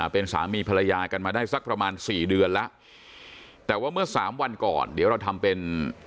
เป็นสามีภรรยากันมาได้สักประมาณสี่เดือนแล้วแต่ว่าเมื่อสามวันก่อนเดี๋ยวเราทำเป็น